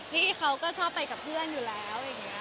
พี่เขาก็ชอบไปกับเพื่อนอยู่แล้ว